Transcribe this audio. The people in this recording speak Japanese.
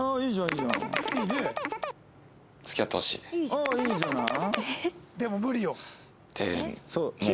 ああいいじゃない？